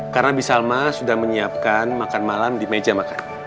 karena bisalma sudah menyiapkan makan malam di meja makan